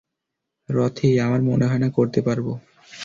রথি, আমার মনে হয় না করতে পারব।